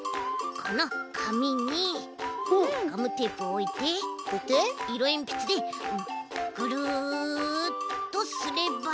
このかみにガムテープをおいていろえんぴつでぐるっとすれば。